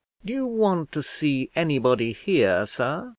"Do you want to see anybody here, sir?"